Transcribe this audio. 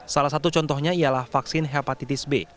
salah satu contohnya ialah vaksin hepatitis b